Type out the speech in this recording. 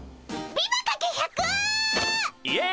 ビバかけ１００っ！